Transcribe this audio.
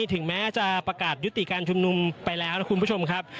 ถึงแม้จะประกาศยุติการชุมนุมไปแล้วนะคุณผู้ชมครับ